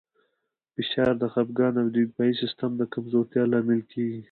فشار د خپګان او د دفاعي سیستم د کمزورتیا لامل کېږي.